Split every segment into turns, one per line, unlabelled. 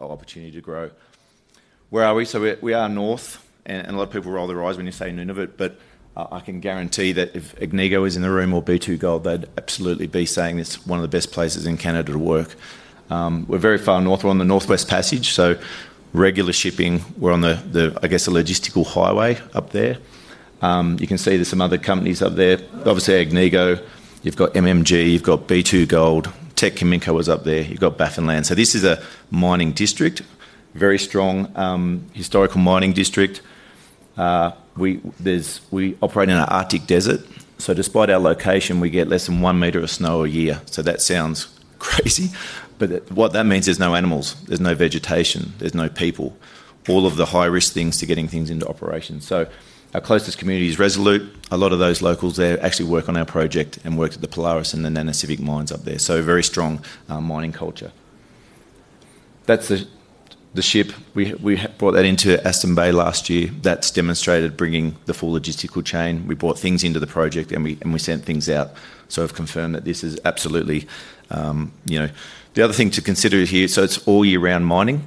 Our opportunity to grow. Where are we? We are north, and a lot of people roll their eyes when you say Nunavut, but I can guarantee that if Baffinland Iron Mines is in the room or B2Gold, they'd absolutely be saying it's one of the best places in Canada to work. We're very far north. We're on the Northwest Passage, so regular shipping. We're on the, I guess, the logistical highway up there. You can see there's some other companies up there. Obviously, Baffinland Iron Mines, you've got MMG, you've got B2Gold, Teck Resources is up there, you've got Baffinland. This is a mining district, very strong historical mining district. We operate in an Arctic desert, so despite our location, we get less than one meter of snow a year. That sounds crazy, but what that means is there's no animals, there's no vegetation, there's no people. All of the high-risk things to getting things into operation. Our closest community is Resolute. A lot of those locals there actually work on our project and worked at the Polaris and the Nanisivik mines up there. A very strong mining culture. That's the ship. We brought that into Aston Bay last year. That's demonstrated bringing the full logistical chain. We brought things into the project and we sent things out. I've confirmed that this is absolutely, you know, the other thing to consider here. It's all year round mining.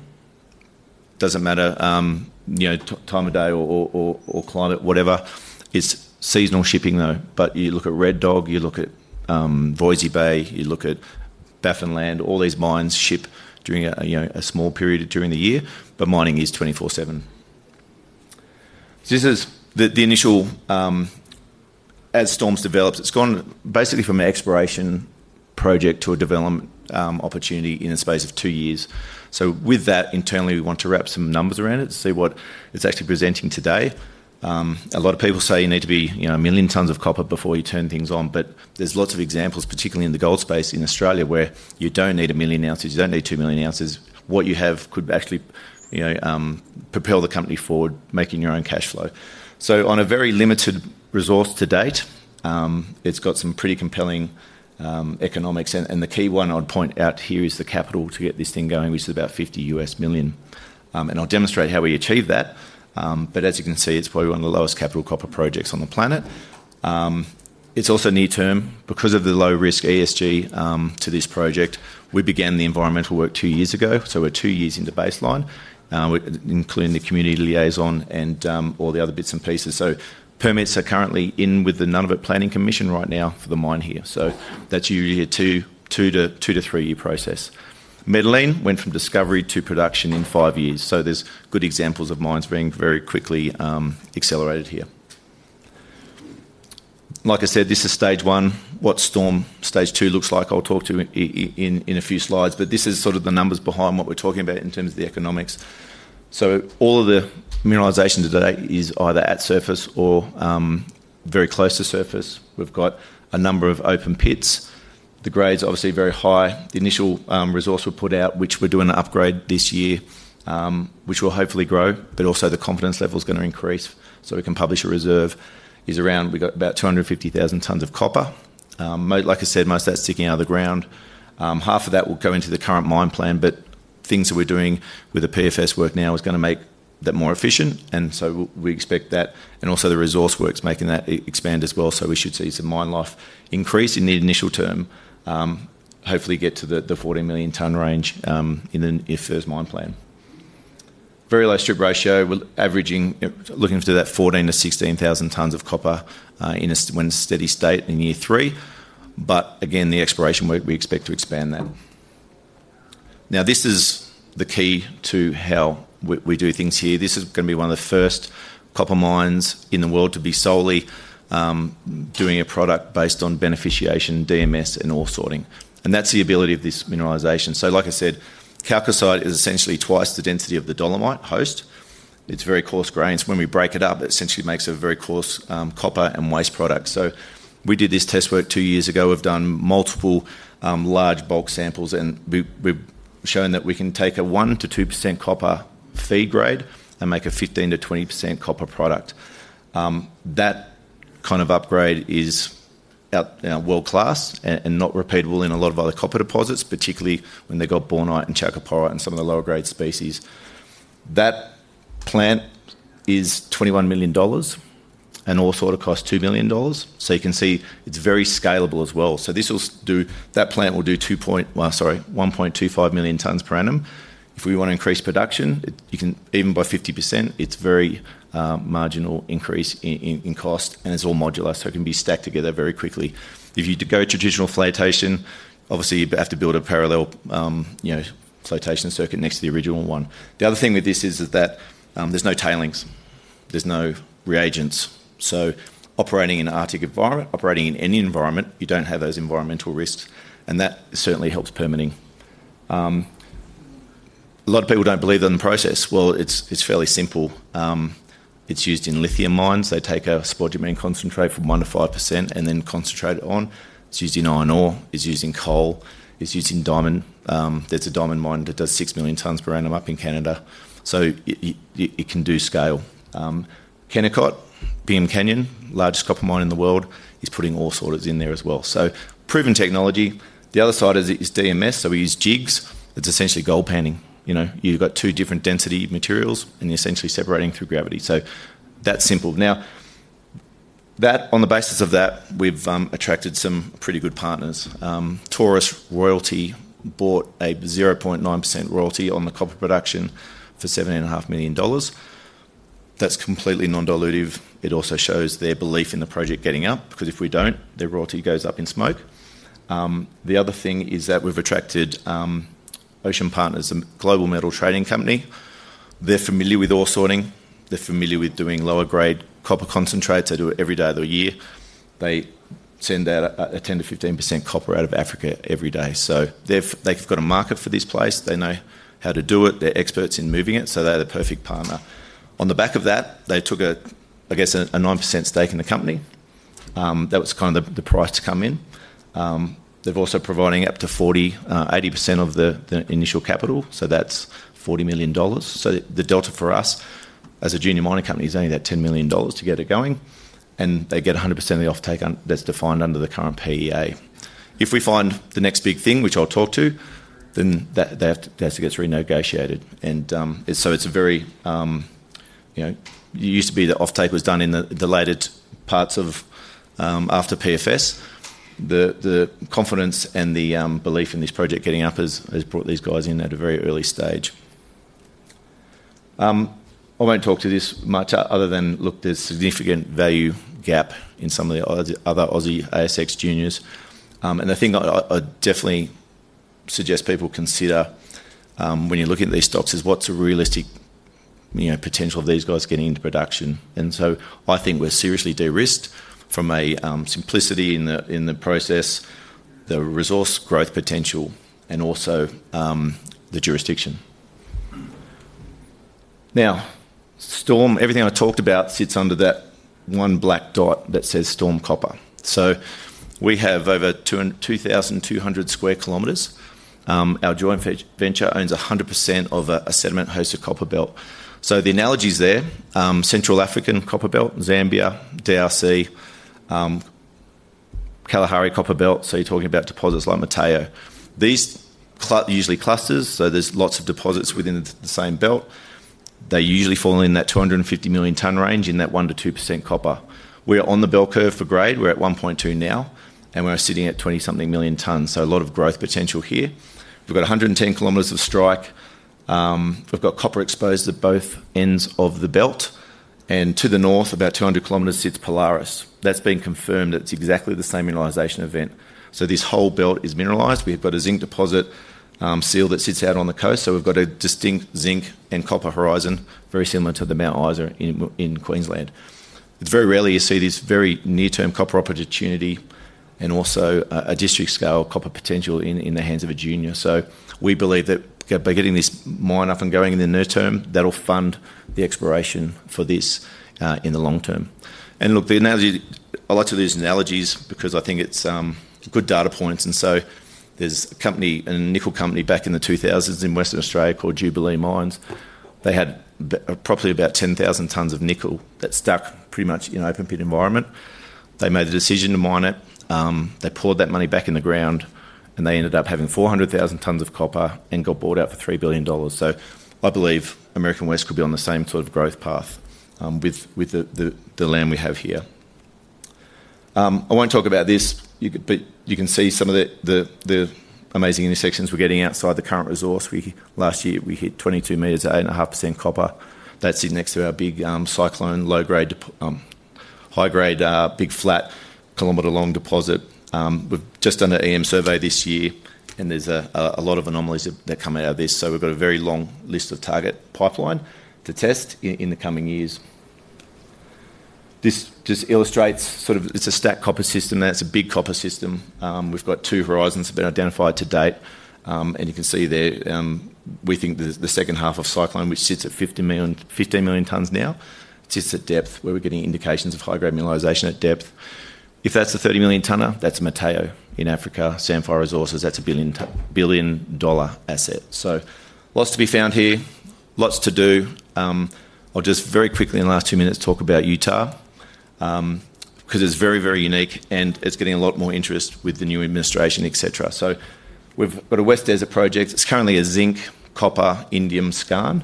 Doesn't matter, you know, time of day or climate, whatever. It's seasonal shipping though. You look at Red Dog, you look at Voisey's Bay, you look at Baffinland, all these mines ship during a small period during the year, but mining is 24/7. This is the initial, as Storm Copper Project's developed, it's gone basically from an exploration project to a development opportunity in a space of two years. With that internally, we want to wrap some numbers around it to see what it's actually presenting today. A lot of people say you need to be, you know, a million tons of copper before you turn things on, but there's lots of examples, particularly in the gold space in Australia, where you don't need a million ounces, you don't need two million ounces. What you have could actually, you know, propel the company forward, making your own cash flow. On a very limited resource to date, it's got some pretty compelling economics. The key one I'd point out here is the capital to get this thing going, which is about $50 million. I'll demonstrate how we achieve that. As you can see, it's probably one of the lowest capital copper projects on the planet. It's also near term because of the low risk ESG to this project. We began the environmental work two years ago, so we're two years into baseline, including the community liaison and all the other bits and pieces. Permits are currently in with the Nunavut Planning Commission right now for the mine here. That's usually a two to three year process. Baffinland went from discovery to production in five years. There are good examples of mines being very quickly accelerated here. Like I said, this is stage one. What Storm stage two looks like, I'll talk to in a few slides, but this is sort of the numbers behind what we're talking about in terms of the economics. All of the mineralization today is either at surface or very close to surface. We've got a number of open pits. The grade's obviously very high. The initial resource we put out, which we're doing an upgrade this year, which will hopefully grow, but also the confidence level is going to increase. So we can publish a reserve is around, we've got about 250,000 tons of copper. Like I said, most of that's sticking out of the ground. Half of that will go into the current mine plan, but things that we're doing with the PFS work now is going to make that more efficient. We expect that. Also, the resource work is making that expand as well. We should see some mine life increase in the initial term, hopefully get to the 40 million ton range in a year first mine plan. Very low strip ratio, we're averaging, looking for that 14,000 to 16,000 tons of copper in a steady state in year three. The exploration work, we expect to expand that. This is the key to how we do things here. This is going to be one of the first copper mines in the world to be solely doing a product based on beneficiation, DMS, and ore sorting. That's the ability of this mineralization. Like I said, chalcocite is essentially twice the density of the dolomite host. It's very coarse grains. When we break it up, it essentially makes a very coarse copper and waste product. We did this test work two years ago. We've done multiple large bulk samples and we've shown that we can take a 1% to 2% copper feed grade and make a 15% to 20% copper product. That kind of upgrade is world class and not repeatable in a lot of other copper deposits, particularly when they've got bornite and chalcopyrite and some of the lower grade species. That plant is $21 million and all sorting costs $2 million. You can see it's very scalable as well. That plant will do 1.25 million tons per annum. If we want to increase production, even by 50%, it's a very marginal increase in cost and it's all modular, so it can be stacked together very quickly. If you go traditional flotation, obviously you'd have to build a parallel flotation circuit next to the original one. The other thing with this is that there's no tailings, there's no reagents. Operating in an Arctic environment, operating in any environment, you don't have those environmental risks and that certainly helps permitting. A lot of people don't believe in the process. It's fairly simple. It's used in lithium mines. They take a spodumene concentrate from 1% to 5% and then concentrate it on. It's used in iron ore, it's used in coal, it's used in diamond. There's a diamond mine that does 6 million tons per annum up in Canada, so it can do scale. Kennecott, Bingham Canyon, largest copper mine in the world, is putting all sorting in there as well. Proven technology. The other side of it is DMS. We use jigs. It's essentially gold panning. You've got two different density materials and you're essentially separating through gravity. That's simple. On the basis of that, we've attracted some pretty good partners. Taurus Royalty bought a 0.9% royalty on the copper production for $7.5 million. That's completely non-dilutive. It also shows their belief in the project getting up because if we don't, their royalty goes up in smoke. We've attracted Ocean Partners, a global metal trading company. They're familiar with all sorting. They're familiar with doing lower grade copper concentrates; they do it every day of the year. They send out a 10% to 15% copper out of Africa every day. They've got a market for this place. They know how to do it. They're experts in moving it. They're the perfect partner. On the back of that, they took a 9% stake in the company. That was the price to come in. They've also provided up to 40%, 80% of the initial capital. That's $40 million. The delta for us as a junior mining company is only that $10 million to get it going. They get 100% of the offtake that's defined under the current PEA. If we find the next big thing, which I'll talk to, then they have to get renegotiated. It used to be the offtake was done in the later parts of after PFS. The confidence and the belief in this project getting up has brought these guys in at a very early stage. I won't talk to this much other than, look, there's a significant value gap in some of the other Aussie ASX juniors. The thing I definitely suggest people consider when you're looking at these stocks is what's the realistic potential of these guys getting into production. I think we're seriously de-risked from a simplicity in the process, the resource growth potential, and also the jurisdiction. Now, Storm, everything I talked about sits under that one black dot that says Storm Copper. We have over 2,200 square kilometers. Our joint venture owns 100% of a sediment-hosted copper belt. The analogies there, Central African Copperbelt, Zambia, DRC, Kalahari Copper Belt. You're talking about deposits like Mateo. These are usually clusters, so there's lots of deposits within the same belt. They usually fall in that 250 million ton range in that 1 to 2% copper. We are on the belt curve for grade. We're at 1.2% now and we're sitting at 20-something million tons. A lot of growth potential here. We've got 110 kilometers of strike. We've got copper exposed at both ends of the belt. To the north, about 200 kilometers sits Polaris. That's been confirmed. That's exactly the same mineralization event. This whole belt is mineralized. We've got a zinc deposit seal that sits out on the coast. We've got a distinct zinc and copper horizon, very similar to the Mount Isa in Queensland. Very rarely you see this very near-term copper opportunity and also a district-scale copper potential in the hands of a junior. We believe that by getting this mine up and going in the near term, that'll fund the exploration for this in the long term. The analogy, I like to use analogies because I think it's good data points. There's a company, a nickel company back in the 2000s in Western Australia called Jubilee Mines. They had probably about 10,000 tons of nickel that stuck pretty much in an open-pit environment. They made the decision to mine it. They poured that money back in the ground and they ended up having 400,000 tons of copper and got bought out for $3 billion. I believe American West Metals could be on the same sort of growth path with the land we have here. I won't talk about this, but you can see some of the amazing intersections we're getting outside the current resource. Last year, we hit 22 meters at 8.5% copper. That's in next to our big cyclone, low grade, high grade, big flat, kilometer long deposit. We've just done an EM survey this year and there's a lot of anomalies that come out of this. We've got a very long list of target pipeline to test in the coming years. This just illustrates sort of, it's a stacked copper system. That's a big copper system. We've got two horizons that have been identified to date. You can see there, we think the second half of cyclone, which sits at 15 million tons now, sits at depth where we're getting indications of high grade mineralization at depth. If that's the 30 million tonner, that's Mateo in Africa, Sandfire Resources. That's a billion dollar asset. Lots to be found here, lots to do. I'll just very quickly in the last two minutes talk about Utah because it's very, very unique and it's getting a lot more interest with the new administration, etc. We've got a West Desert Project. It's currently a zinc, copper, indium, scan.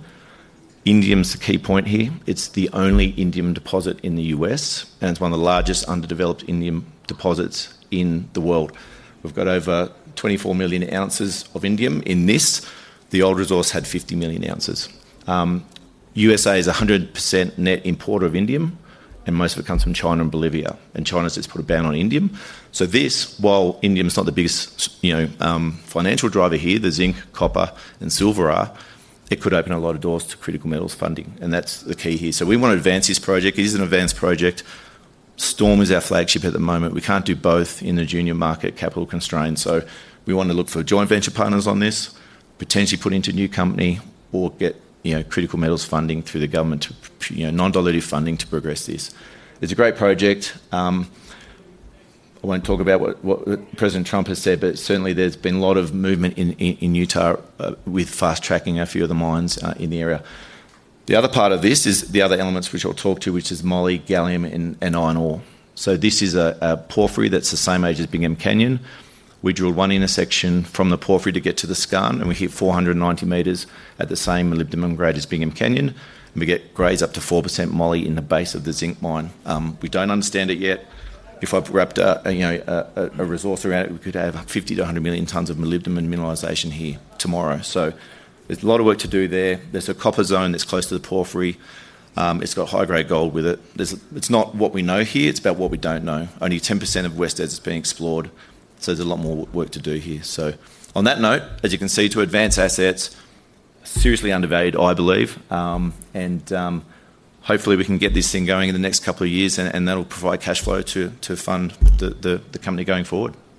Indium is the key point here. It's the only indium deposit in the U.S. and it's one of the largest underdeveloped indium deposits in the world. We've got over 24 million ounces of indium in this. The old resource had 50 million ounces. The U.S.A. is a 100% net importer of indium and most of it comes from China and Bolivia. China has just put a ban on indium. While indium is not the biggest, you know, financial driver here, the zinc, copper, and silver are, it could open a lot of doors to critical metals funding. That's the key here. We want to advance this project. It is an advanced project. Storm is our flagship at the moment. We can't do both in a junior market, capital constraints. We want to look for joint venture partners on this, potentially put into a new company or get, you know, critical metals funding through the government, you know, non-dilutive funding to progress this. It's a great project. I won't talk about what President Trump has said, but certainly there's been a lot of movement in Utah with fast tracking a few of the mines in the area. The other part of this is the other elements which I'll talk to, which is molybdenum, gallium, and iron ore. This is a porphyry that's the same age as Bingham Canyon. We drilled one intersection from the porphyry to get to the skarn and we hit 490 meters at the same minimum grade as Bingham Canyon. We get grades up to 4% molybdenum in the base of the zinc mine. We don't understand it yet. If I wrapped a resource around it, we could have 50 to 100 million tons of molybdenum mineralization here tomorrow. There's a lot of work to do there. There's a copper zone that's close to the porphyry. It's got high grade gold with it. It's not what we know here. It's about what we don't know. Only 10% of West Desert is being explored. There's a lot more work to do here. As you can see, to advance assets, seriously undervalued, I believe. Hopefully we can get this thing going in the next couple of years and that'll provide cash flow to fund the company going forward. Thank you.